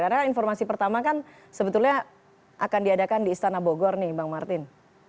karena informasi pertama kan sebetulnya akan diadakan di istana bogor nih bang martin